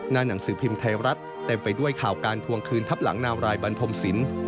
หนังสือพิมพ์ไทยรัฐเต็มไปด้วยข่าวการทวงคืนทับหลังนาวรายบันทมศิลป์